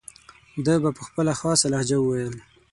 ده به په خپله خاصه لهجه وویل.